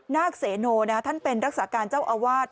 นาคเสโนท่านเป็นรักษาการเจ้าอาวาส